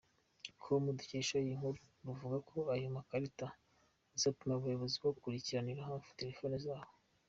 com dukesha iyi nkuru ruvuga ko ayo makarita azatuma ubuyobozi bukurikiranira hafi telefone zabo.